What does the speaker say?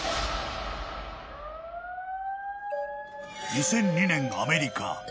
［２００２年アメリカ］